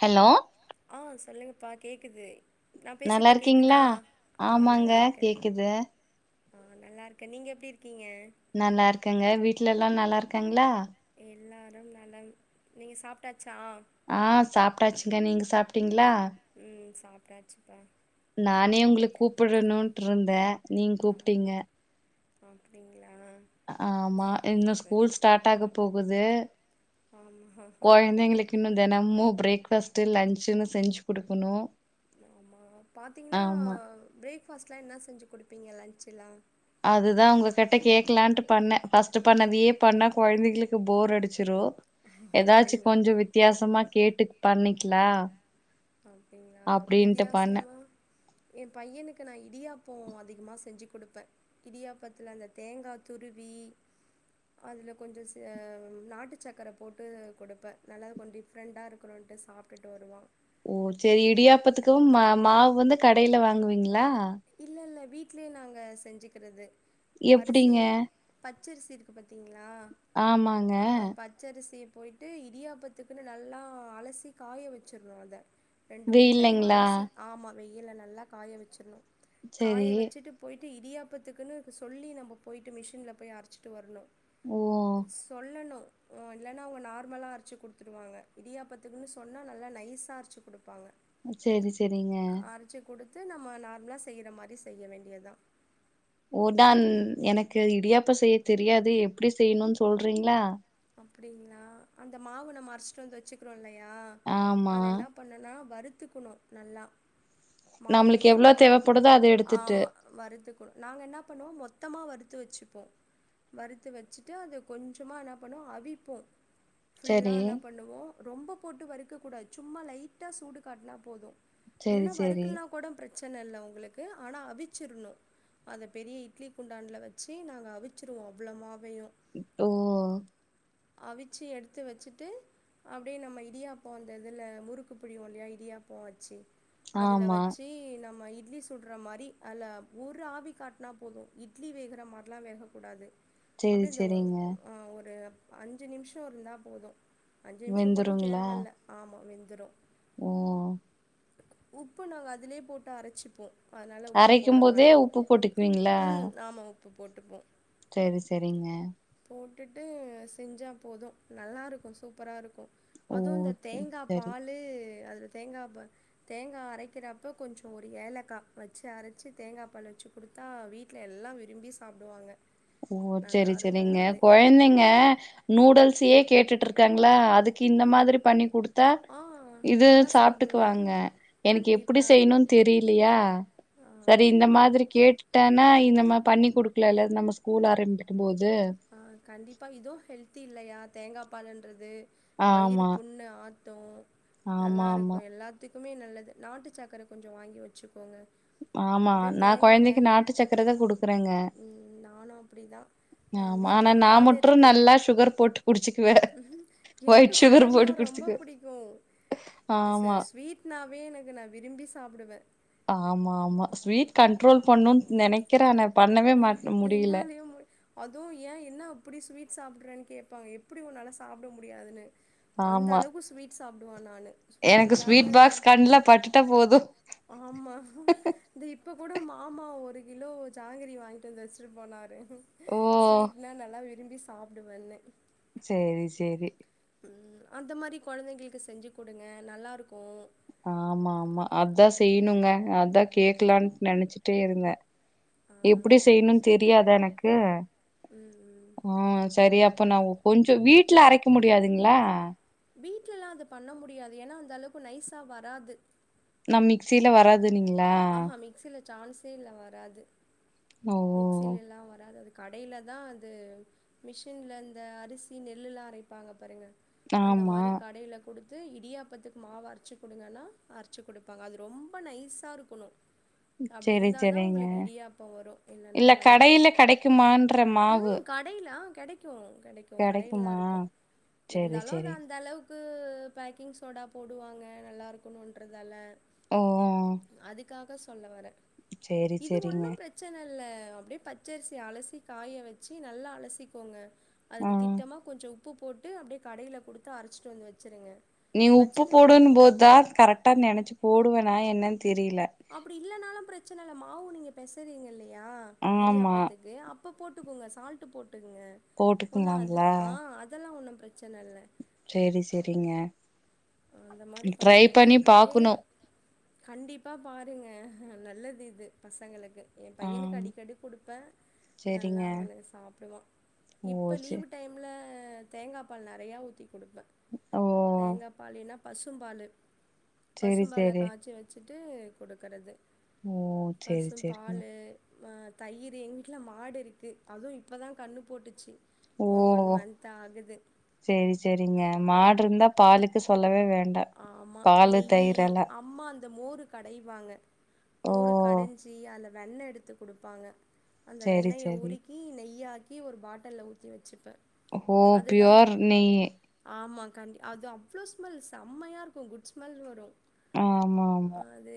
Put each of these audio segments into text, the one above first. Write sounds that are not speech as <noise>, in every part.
Hello ஆ சொல்லுங்க்கா கேக்குது நா நல்லா பேசுறது கேக்குதா இருக்கீங்களா ஆ ஆமாங்க நல்லா இருக்கே கேக்குது ஆ நல்லா இருக்கே நீங்க எப்டி இருக்கீங்க நல்லா இருக்கேங்க வீட்டுல எல்லா நல்லா இருக்காங்களா எல்லாரு நலம் நீங்க சாப்டாச்சா ஆ சாப்ட்டாச்சுங்க நீங்க சாப்ட்டீங்களா உ சாப்டாச்சு நானே உங்களுக்கு கூப்பிடணும்ட்டு இருந்தே நீங்க கூப்டீங்க அப்டிங்களா ஆமா இங்க சூப்பர் ஸ்போர்ட்ஸ் ஸ்டார்ட் ஆக போகுது ஆமா குழந்தைங்களுக்கு இன்னு தினமு பிரேக் பாஸ்ட்டு லன்ச்சுன்னு செஞ்சு கொடுக்கணு ஆமா பாத்தீங்கன்னா பிரேக்ஃபாஸ்ட்லா என்ன செஞ்சு குடுப்பீங்க லன்சலா அதுதா உங்க கிட்ட கேக்கலான்ட்டு பண்ணே பஸ்ட் பண்ணதுயே பண்ண கொழந்தைகளுக்கு போர் அடிச்சிரு ஏதாச்சு அப்டிங்களா கொஞ்சோ வித்தியாசமா கேட்டு பண்ணிக்லா அப்படிங்களா பண்ணே வித்தியாசமா என் பையனுக்கு நா இடியாப்போ அதிகமாக செஞ்சு குடுப்பே இடியாப்பத்துல அந்த தேங்கா துருவி அதுல கொஞ்சோ நாட்டு சக்கர போட்டு குடுப்பே நல்லா கொண் ஃப்ரெண்டா இருக்கனுன்ட்டு சாப்ட்டுட்டு வருவா ஓ சேரி இடியாப்பத்துக்கு மா மாவு வந்து கடையில வாங்குவீங்களா இல்ல இல்ல வீட்லயே நாங்க செஞ்சுக்கிறது அரிசி எப்டிங்க பச்சரிசி இருக்கு பாத்தீங்களா ஆமாங்க பச் பச்சரிசியை போய்ட்டு இடியாப்பத்துக்குன்னு நல்லா அலசி காய வச்சிடணு அத ரெண்டு மூணு டைம் வெயில்லைங்களா அலசி ஆமா வெயில்ல நல்லா காய வச்சிட்ணு காய சரி வச்சிட்டு போய்ட்டு இடியாப்பத்துக்குன்னு சொல்லி நம்ம போய்ட்டு மிஷினில் போய் அரைச்சிட்டு வரணு ஓ சொல்லணு இல்லனா அவுங்க நார்மலா அரச்சு கொடுத்துடுவாங்க இடியாபத்துக்குன்னு சொன்னா நல்லா நைஸா அரச்சு கொடுப்பாங்க சரி சரிங்க அரச்சு கொடுத்து நம்ம நார்மலா செய்ற மாரி செய்ய வேண்டியதுதா ஓடன் எனக்கு இடியாப்ப செய்ய தெரியாது எப்டி செய்யணும்னு சொல்றீங்களா அப்டிங்களா அந்த மாவு நம்ம அரச்சிட்டு வந்து வச்சுக்குறோ இல்லையா ஆமா அத என்ன இப்பஎன்னனா வருத்துக்கணு நல்லா மாவு நீ நம்மளுக்கு எவ்ளோ தேவப்படுதோ அத எடுத்துட்டு ஆமா வருத்துக்கணு நாங்க என்ன பண்ணுவோ மொத்தமா வருத்து வச்சுப்போ வறுத்து வச்சுட்டு அத கொஞ்சமா என்ன பண்ணுவோ அவிப்போ புல்லா சரி என்ன பண்ணுவோ ரொம்ப போட்டு வறுக்க கூடாது சும்மா லைட்டா சூடு காட்னா போது சரி இல்லைன்னா சரி வறுக்கலனா கூடம பிரச்சன இல்ல உங்களுக்கு ஆனா அவிச்சிரணு அத பெரிய இட்லி குண்டான்ல் வச்சு நாங்க அவிச்சிருவோ அவ்வளோ மாவயும் ஓ அவிச்சு எடுத்து வச்சுட்டு அப்டியே நம்ம இடியாப்போம் அந்த இதுல முறுக்கு புழிவோம் இல்லயா இடியாப்போ அச்சு அதுல ஆமா வச்சு நம்ம இட்லி சுடுற மாரி அல்ல ஒரு ஆவி காட்டுனா போதும் இட்லி வேகுற மாரிலா வேகக்கூடாது சரி அப்டியேந்த ஒ சரிங்க ஒரு அஞ்சு நிமிஷோ இருந்தா போதும் அஞ்சு நிமிஷோ கூட வெந்துருங்களா தேவல்ல ஆமா வெந்துரும் ஓ உப்பு நாங்க அதுலே போட்டு அரச்சிப்போம் அதனால உப்பு அரைக்கும் போட போதே மாட்டோ உப்பு போட்டுக்குவீங்களா ம் ஆமா உப்பு போட்டுப்போ சேவி செரிங்க போட்டுட்டு செஞ்சா போதும் நல்லாருக்கும் சூப்பராருக்கும் ஓ அதுவும் இந்த தேங்கா சரி பாலு அதுல தேங்கா பால் தேங்கா அரக்கிறப்ப கொஞ்சோ ஒரு ஏலக்கா வச்சு அரச்சு தேங்கா பாலு வச்சு குடுத்தா வீட்ல எல்லா விரும்பி சாப்டுவாங்க ஓ செரி நல்லாருக்கு செரிங்க அது கொழந்தைங்க நூடுல்ஸயே கேட்டுட்டு இரு க்காங்களா அதுக்கு இந்த மாதிரி பண்ணி குடுத்தா ஆ இது நல்லா சாப்டுவாங்க சாப்ட்டுக்குவாங்க எனக்கு எப்டி கண்டிப்பா செய்யணு தெரியலையா ஆ சரி இந்த மாதிரி கேட்டானா நம்ம இப்பண்ணி குடுக்கலல்ல நம்ம ஸ் கூல் ஆரம்பிக்கும் போது ஆ கண்டிப்பா இதுவும் ஹெல்தி இல்லையா தேங்கா பாலன்றது வயிறு ஆமா புண்ணு ஆத்தும் ஆமா ஆமா நல்லாருக்கும் எல்லா த்துக்குமே நல்லது நாட்டு சக்கர கொஞ்சோ வாங்கி வச்சுக்கோங்க ஆமா அப்டியே நா தேங்காம கொயந்தைக்கு நாட்டு சக்கரதான் குடுக்குறேங்க ம் நானு அப்டிதா ஆ ஆமா வீட்ல ஆனா நான் மட்ரும் நல்லா சுகர் போட்டு குடிச்சுக்குவே ஒயிட் எனக்கும் சுகர் சுகர்னா போட்டு ரொம்ப குடிச்சுக்குவே புடிக்கும் ச ஆமா ஸ்வீட் னாவே எனக்கு நா விரும்பி சாப்டுவே ஆமா ஆமா ஸ்வீட் கண்ட்ரோல் பண்ணுனு நெனக்கிறே ஆனா பண்ணவே மாட் முடியல அதுவும் ஏ என்ன அப்டி ஸ்வீட் சாப்பிடுறேன்னு கேப்பாங்க எப்டி உன்னாலா சாப்ட முடியாதுன்னு அந்த ஆமா அளவுக்கு ஸ்வீட் சாப்பிடுவே நானு ஸ்வீட் எனக்கு இல்லாத பாக்ஸ் கண்ல பட்டுட்டா போது ஆமா தி இப்போ கூட மாமா ஒரு கிலோ ஜாங்கிரி வாங்கிட்டு வந்து வச்சிட்டு போனாரு ஓ ஸ்வீட்னா நல்லா விரும்பி சாப்பிடுவேனு சேரி சேரி உம் அந்த மாதிரி கொழந்தைங்களுக்கு செஞ்சு கொடுங்க நல்லாருக்கும் ஆமா ஆமா அதான் செய்யணுங்க அதான் கேக்கலாம் நெனச்சுட்டேருந்தே ஆ எப்டி செய்யணும்னு தெரியாதா எனக்கு ம் ம் உம் சரி அப்ப நா கொஞ்சோ வீட்ல அரக்கெ முடியாதுங்களா வீட்லல்லா அது பண்ண முடியாது ஏன்னா அந்த அளவுக்கு நைஸா வராது நம் மிக்ஸுல வராதுனீங்க ஆஹான் மிக்ஸில சான்ஸே இல்ல வராது ஓ மிக்ஸிலெல்லா வராது அது கடயில தா அது மிஷின்ல இந்த அரிசி நெல்லுலா அரைப்பாங்க பாருங்க அந்த ஆமா மாரி கடையில குடுத் து இடியாப்பத்துக்கு மாவு அரைச்சு குடுங்கன்னா அரைச்சு குடுப்பாங்க அது ரொம்ப நைஸ்சா இருக்கணு அப்டி சேரி இருந்தாதா சேரிங்க உங்களுக்கு இடியாப்போ வரு இல்லன்னா இல்ல வராது கடையில கெடைக்குமான்ற மாவு ம் கடையில ஆ கெடைக்கு கெடைக்கு கடைலல்லா கெடைக்குமா இருக்கு சேரி இருந்தாலு அது சேரி அந்த அளவுக்கு க்கு பேக்கிங் சோடா போடுவாங்க நல்லா இருக்கணுன்றதால ஓ அதுக்காக சொல்ல வர்றே சேரி இது சேரிங்க ஒண்ணு பிரச்சனல்ல அப்டியே பச்சை அரிசிய அலசி காய வச்சி நல்லா அலசிக்கோங்க அதுக்கு ஆ திட்டமா கொஞ்சோ உப்பு போட்டு அப்டியே கடையில குடுத்து அரைச்சிட்டு வந்து வச்சிருங்க நீ உப்பு போடுன்னும் போதுதா கரெக்டா நெனைச்சி போடுவெனா என்னன்னு தெரியல அப்டி இல்லனாலு பிரச்சனை இல்ல மாவு நீங்க பெசயிறீங்க இல்லையா ஆமா இடியாப்பத்துக்கு அப் உப்பு போட்டுக்கோங்க சால்ட்டு போட்டுக்கங்க ஒன்னா அது போட்டுக்குனாங்களா ஆ அதெல்லா ஒண்ணு பிரச்சனை இல்ல சேரி சேரிங்க அந்த மாரி பண்ணி ட்ரை குடுங்க கடையில பாக்கணு கண்டிப்பா பாருங்க நல்லது இது பசங்களுக்கு ஏ ஆ பையனுக்கு அடிக்கடி குடுப்பே நல்லா சேரிங்க அவனே சாப்டுவா ஓ இப்ப சே லீவ் டைம்ல தேங்காய் பால் நெறையா ஊத்தி குடுப்பே ஓ தேங்காய் பால் இல்லனா பசும்பாலு சேரி பசும்பால சேரி காய்ச்சி வச் சிட்டு குடுக்கறது ஓ சேரி பசும் சேரிங்க பாலு ஆ தயிர் எங்க வீட்ல மாடு இருக்கு அதுவு இப்பதா கண்ணு போட்டுச்சி ஓ ஒரு ஒன் மன்ந்த் ஆகுது சேரி சேரிங்க மாடு இருந்தா பாலுக்கு சொல்லவே வேண் ஆமா நெய்யி அம்மா அந்த மோரு கடைவாங்க ஓ மோரு கடைஞ்சி அதுல வெண்ணை எடுத்து குடுப்பாங்க அந்த சேரி வெண்ணயை சேரி உருக் கி நெய்யாக்கி ஒரு பாட்டல்ல ஊத்தி வச்சுப்பே ஓ அதுதா பியூர் நெய் ஆமா கண்டி அது அவ்ளவு ஸ்மெல் செம்மையா இருக்கு குட் ஸ்மெல் வரு ஆமா ஆ ஆமா அது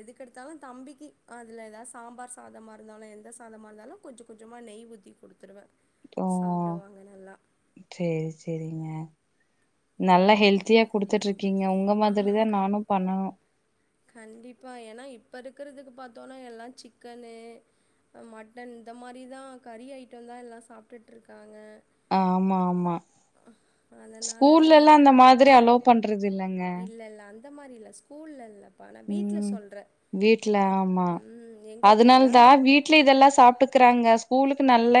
எதுக்கெடுத்தாலு தம்பிக்கி அதுல எதா சாம்பார் சாதமா இருந்தாலு எந்த சாதமா இருந்தாலு கொஞ்ச கொஞ்சமா நெய் ஊத்தி குடுத்துருவே ஓ சாப்டுவாங்க நல்லா சேரி சேரிங்க நல்லா ஹெல்த்தியா குடுத்துட்டு இருக்கீங்க உங்க ஆ மாதிரிதா க- நானு பண்ணனு கண்டிப்பா ஏன்னா இப்ப இருக்கிறதுக்கு பாத்தோன்னா எல்லா சிக்கன்னு மட்டன் இந்த மாரிதா கறி ஐட்டந்தா எல்லா சாப்ட்டுட்டு இருக்காங்க அதனால ஸ்கூல்லல்லா இந்த மாதிரி அலோவ் பண்றது இல்லங்க இந்த மாரி இல்ல ஸ்கூல்ல இல்ல ஆ நா வீட்ல ம். சொல்றே வீட்ல ம் எங்க இப்ப எல்லா நம்ம இட்லி இதெல்லா சாப்ட்டுக்கிறாங்க ஸ்கூலுக்கு நல்ல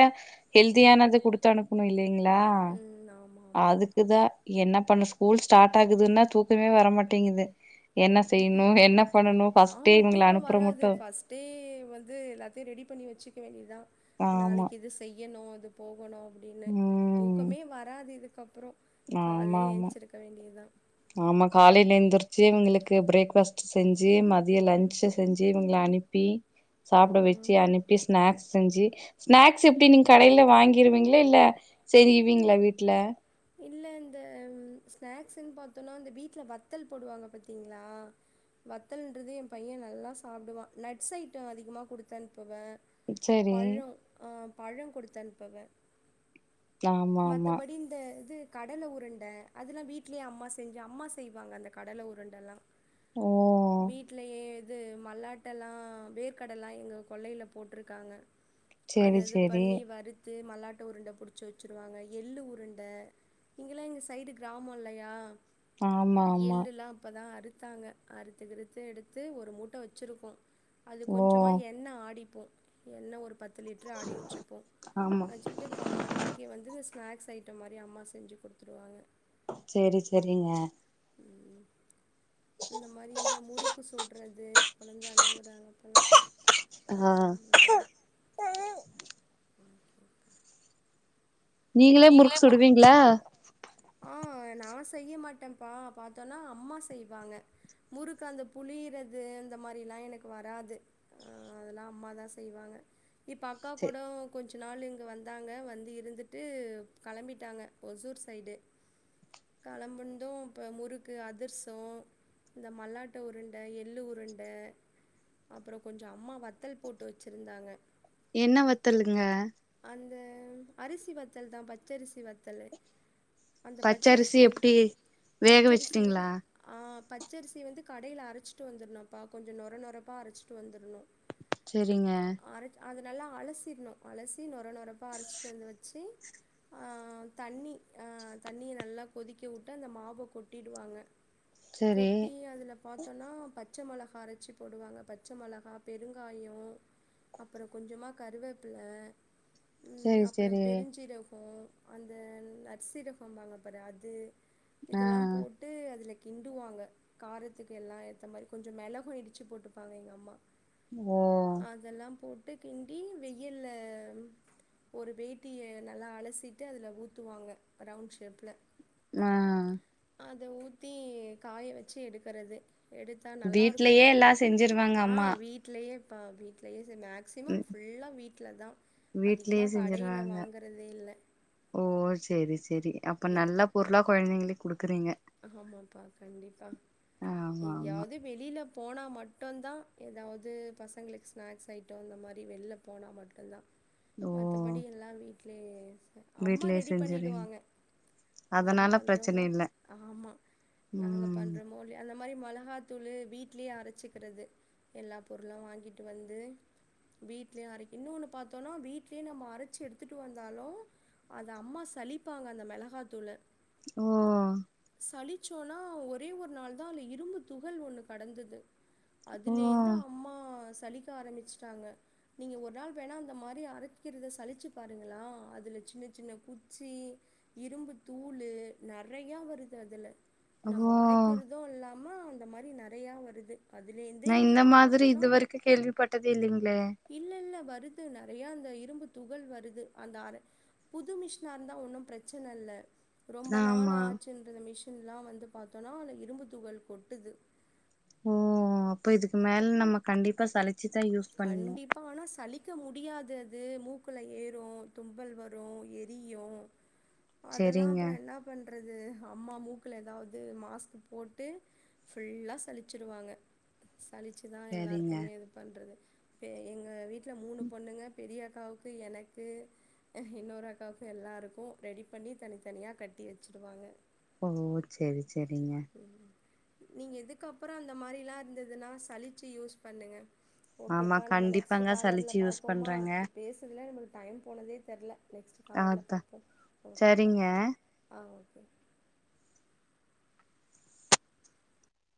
ஹெல்தியானது குடுத் குடுத்தனுப்பனு இல்லைங்களா ம் ஆமா ஆமா அதுக் குதா என்ன பண்ண ஸ்கூல் ஸ்டார்ட் ஆகுதுன்னா தூக்கமே வரமாட்டேங்கிது என்ன செய்ய இன்னு என்ன பண்ணணு ஃபர்ஸ்ட்டே இவுங்கள அனுப்புற மட்டு இப்பயே வந்து எல்லாத்தையு ரெடி பண்ணி வச்சுக்க வேண்டியதுதா ஆமா. நாளைக்கி இது செய்யணு அது போகணு அப்டின்னு ம். தூக்கமே வராது இதுக்கப்றோ கால்லே ஆமாமா ஏஞ்சிருக்க வேண்டியதா ஆமா காலேல எந்திரிச்சி இவுங்களுக்கு பிரேக் ஃபாஸ்ட் செஞ்சி மதிய லன்ச் செஞ் செஞ்சு இவங்கள அனுப்பி சாப்பிட ம் வச்சு அனுப்பி ஸ்நாக்ஸ் செஞ்சு ஸ்நாக்ஸ் எப்டி நீங்க கடைல வாங்கிருவீங்களா இல்ல செய்வீங்களா வீட்ல இல்ல இந்த ஸ்நாக்ஸ்ன் பாத்தோனா இந்த வீட்ல வத்தல் போடுவாங்க பத்தீங்களா வத்தல்ன்றது என் பையன் நல்லா சாப்டுவான் நட்ஸ் ஐட்டம் அதிகமா குடுத்தான்னுப்புவ சரி பழம் ஆ பழம் குடுத்தனுப்பவ ஆமா ஆமா மத்தபடி இந்த அந்த இது கடல உருண்ட அதல்லாம் வீட்லயே அம்மா செஞ்சு அம்மா செய்வாங்க அந்த கடல உருண்டல்லா ஓ வீட்லயே அது மல்லாட்டல்லாம் வேர்க்கடல்லா எங்க கொல்லைல போட்டிருக்காங்க அத சேரி இது சேரி பண்ணி வறுத்து மல்லாட்ட உருண்ட புடிச்சு வச்சுருவாங்க எள்ளு உருண்ட இங்கல்லாம் எங்க சைடு கிராமம் இல்லயா ஆமா ஆமா எள்ளுல்லா இப்போதா அறுத்தாங்க அறுத்து கிறுத்து எடுத்து ஒரு மூட்ட வச்சிருக்கோ அது ஓ கொஞ்சமா எண்ண ஆடிப்போம் எண்ண ஒரு பத்து லிட்ரு ஆடி வச்ருப்போம் ஆமா வச்சுக்கிட்டு பா பாக்கி வந்து இந்த ஸ்நாக்ஸ் ஐட்டம் மாரி அம்மா செஞ்சு குடுத்துடுவாங்க செரி செரிங்க ம் இந்த மாரி இந்த முறுக் முறுக்கு சுட்றது கொழந்த அழுவுறாங்க போல ஆ தேங்க் யூ <inaudible> நீங்களே முறுக் சுடுவீங்களா ஆ நா செய்ய மாட்டேப்பா பா்த்தனா அம்மா செய்வாங்க முறுக்கு அந்த புளிறது இந்த மாரிலாம் எனக்கு வராது ஆ ஆ அதல்லா அம்மா தா செய்வாங்க இப்ப அக்கா சே கூட கொஞ்சோ பத்து நாள் இங்க வந்தாங்க வந்து இருந்துட்டு களம்பிட்டாங்க ஒசூர் சைடு கெளம்புந்தும் இப்ப முறுக்கு அதிர்சோம் இந்த மல்லாட்ட உருண்ட எள்ளு உருண்ட அப்றோ கொஞ்ச அம்மா வத்தல் போட்டு வச்சுருந்தாங்க என்ன வத்தலுங்க அந்த அரிசி வத்தல் தா பச்சரிசி வத்தலு அந்த பச்சரிசி பச்சரிசிய எப்டி வேக பச்சரிசிய வச்சுட்டீங்களா ஆ பச்சரிசி வந்து கடைல அரச்சிட்டு வந்துருனுப்பா கொஞ்சம் நொர நொரப்பா அரச்சிட்டு வந்துரணும் செரிங்க அத நல்லா அலசிட்ணும் அலசி நொர நொரப்பா அரச்சிட்டு வந்து வச்சு ஆ தண்ணி ஆ தண்ணிய நல்லா கொதிக்க வுட்டு அந்த மாவ கொட்டிடுவாங்க சரி கொட்டி அதுல பாத் பத்தன்னா பச்ச மொளகா அரச்சி போடுவாங்க பச்ச மொளகா பெருங்காயம் அப்பறோ கொஞ்சமா கருவேப்ல ம் சரி அப்பறம் சரி பெருஞ்சீரகம் அந்த நர்சீரகம்பாங்க பாரு அது ஆ இதல்லாம் போட்டு அதுல கிண்டுவாங்க காரத்துக்கு எல்லா ஏத்த மாரி கொஞ்ச மெளகும் இடிச்சு போட்டுப்பாங்க எங்க அம்மா ஓ அதல்லாம் போட்டு கிண்டி வெயில்ல ஒரு வேட்டிய நல்லா அலசிட்டு அதுல ஊத்துவாங்க ரவுண்ட் ஷேப்ல அ அத ஊத்தி காய வச்சு எடுக்கறது எடுத்து நல்லா இருக்கும் வீட்லயே எல்லா செஞ்சிருவாங்க ஆ அம்மா வீட்லயேப்ப வீடலயே மேக்சிமம் ம் ஃபுல்லா வீட்ல தா வீட்லயே அதிகமா கடையில செஞ்சிருவாங்க வாங்கறதே இல்ல ஓ சரி சரி அப்ப எப் நல்ல பொருளா குழந்தைங்களுக்கு குடுக்குறீங்க ஆமாப்பா கண்டிப்பா ஆமா ஆமா எங்கயாவது வெளில போனா மட்டு தா ஏதாவது பசங்களுக்கு ஸ்நாக்ஸ் ஐட்ட இந்த மாதிரி வெளியில போனா கல்லா ஓ மத்தபடி எல்லா வீட்லயே அம்மா வீட்லயே ரெடி செஞ்சுறீங்க பண்ணிடுவாங்க நாங்க அதனால பண்றோமா பிரச்சன இல்ல அம்மா நாங்க ம் பண்றமோ இல்லயோ அந்த மாரி மொளகாத்தூளு வீட்லயே அரச்சிக்கிறது எல்லா பொருளு வாங்கிட்டு வந்து வீட்லயே அரைக்கனு இன்னொன்னு பாத்தோம்னா வீட்லயே நம்ப அரச்சு எடுத்துட்டு வந்தாலு அத அம்மா சலிப்பாங்க அந்த மிளகாத்தூள்ள ஓ சலிச்சோனா ஒரே ஒரு நாள் தா அதுல இரும்பு துகள் ஒண்ணு கடந்தது ஓ அதுலேந்து அம்மா சலிக்க ஆரம்பிச்சுட்டாங்க நீங்க ஒரு நாள் வேணா அந்த மாரி அரைக்கிறத சளிச்சு பாருங்களா அதுல சின்ன சின்ன குச்சி இரும்பு தூள் நெறைய வருது அதுல நம்ம ஓ அரைக்கிறது இல்லாம இந்த மாதிரி நெறையா வருது அதுலேந்தே நா இந்த அம்மா மாதிரி பாத்தோன்னா இது வரைக்கும் கேள்விப்பட்டதே இல்லங்களே இல்ல இல்ல வருது நெறையா அந்த இரும்பு துகள் வருது அந்த அரை புது மிஷின்னா இருந்தா ஒன்னு பிரச்சன இல்ல ரொம்ப நாள் ஆமா ஆச்சுன்றது மிஷின்லா வந்து பாத்தோன்னா அதுல இரும்பு துகள் கொட்டுது ஓ அப்ப இதுக்கு மேல நம்ம கண்டிப்பா சளிச்சுதா யூஸ் பண்ணணு அப்பா ஆனா சளிக்க முடியாது அது மூக்குல ஏறும் தும்பல் வரு எரியு அதல்லா செரிங்க அப்பற என்ன பண்றது அம்மா மூக்குல ஏதாவது மாஸ்க் போட்டு ஃபுல்லா சழிச்சருவாங்க சளிச்சுதா செரிங்க எல்லாருக்குமே இது பண்றது எங்க வீட்டல மூணு பொண்ணுங்க பெரிய அக்காவுக்கு எனக்கு இன்னொரு அக்காவுக்கும் எல்லாருக்கும் ரெடி பண்ணி தனித்தனியா கட்டி வச்சிடுவாங்க ஓ சரி சரிங்க நீங்க இதுக்கப்பற அந்த மாதிரிலா இருந்ததுன்னா சளிச்சு யூஸ் பண்ணுங்க ஆமா ஓகேப்பா நம்ம நெக்ஸ்ட்டு கண்டிப்பாங்க காலர்ல சலிச்சு யூஸ் பாப்போமா பண்றாங்க இப்டி பேசுறதுல நம்மளுக்கு டைம் போனதே தெர்ல நெக்ஸ்ட்டு காலர்ல அதா பாப்போ ஓகேப்பா சரிங்க ஆ ஓகே